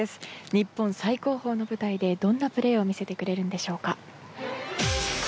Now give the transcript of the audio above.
日本最高峰の舞台でどんなプレーを見せてくれるんでしょうか。